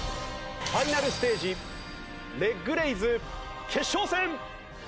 ファイナルステージレッグレイズ決勝戦。